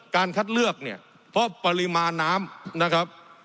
การคัดเลือกเพราะปริมาณน้ำนะครับ